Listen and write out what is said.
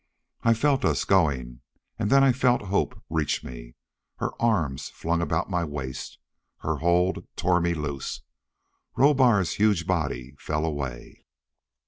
I felt us going and then I felt Hope reach me. Her arms flung about my waist. Her hold tore me loose. Rohbar's huge body fell away....